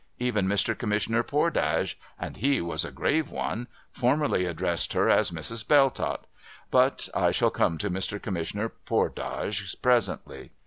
Even Mr. Commissioner Pordage (and he was a grave one !) formally addressed her as Mrs. Belltott. But, I shall come to Mr. Com missioner Pordage presently.